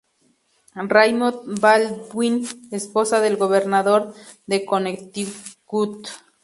Raymond E. Baldwin, esposa del gobernador de Connecticut.